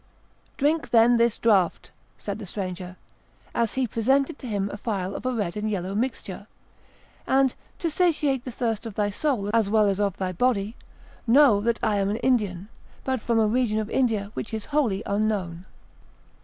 "Drink then this draught," said the stranger, as he presented to him a phial of a red and yellow mixture; "and, to satiate the thirst of thy soul as well as of thy body, know that I am an Indian, but from a region of India which is wholly unknown."